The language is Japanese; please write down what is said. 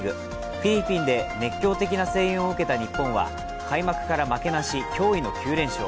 フィリピンで熱狂的な声援を受けた日本は開幕から負けなし驚異の９連勝。